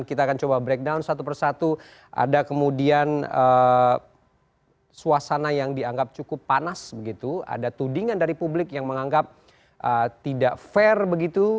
kita akan coba breakdown satu persatu ada kemudian suasana yang dianggap cukup panas begitu ada tudingan dari publik yang menganggap tidak fair begitu